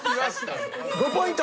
５ポイント。